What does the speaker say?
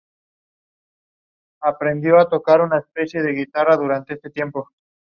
En los Países Bajos, su nombre fue cambiado a "Hendrik".